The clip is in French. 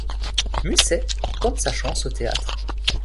Musset tente sa chance au théâtre.